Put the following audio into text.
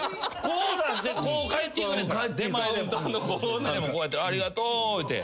こうやって「ありがとう」言うて。